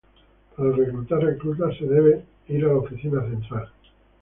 Para reclutar reclutas se debe ir a la oficina central.